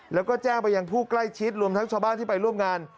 แล้วก็แจ้งไปยังผู้ใกล้ชิดรวมทั้งชาวบ้านที่ไปร่วมงาน